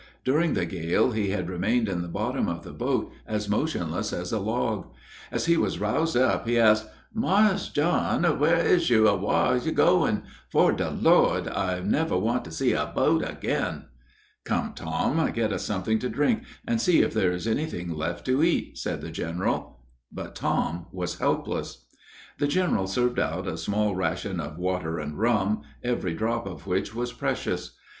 During the gale he had remained in the bottom of the boat as motionless as a log. As he was roused up, he asked: "Marse John, whar is you, and whar is you goin'? 'Fore de Lord, I never want to see a boat again." "Come, Tom, get us something to drink, and see if there is anything left to eat," said the general. But Tom was helpless. The general served out a small ration of water and rum, every drop of which was precious.